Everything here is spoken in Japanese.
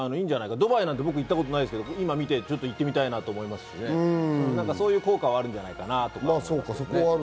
ドバイなんて僕行ったことないですけど、今見て行ってみたいなぁと思ったし、そういう効果はあるかなと思いました。